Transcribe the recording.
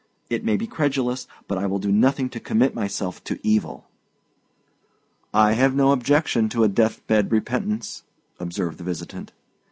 It may be credulous, but I will do nothing to commit myself to evil." "I have no objection to a death bed repentance," observed the visitant.